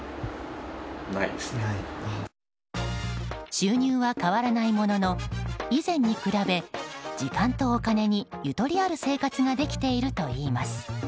収入は変わらないものの以前に比べ時間とお金にゆとりある生活ができているといいます。